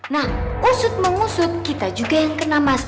nah usut mengusut kita juga yang kena masker